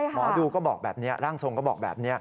หมอดูก็บอกแบบนี้ร่างทรงก็บอกแบบนี้